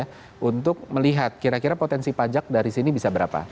kita lihat kira kira potensi pajak dari sini bisa berapa